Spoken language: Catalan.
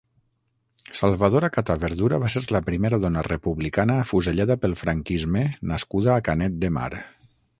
Salvadora Catà Verdura va ser la primera dona republicana afusellada pel franquisme nascuda a Canet de Mar.